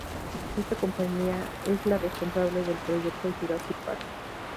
Esta compañía es la responsable del proyecto Jurassic Park.